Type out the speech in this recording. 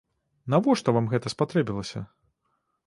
Навошта вам гэта спатрэбілася?